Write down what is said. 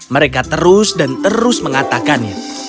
mereka terus dan terus mengatakannya